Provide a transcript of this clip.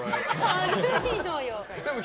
軽いのよ！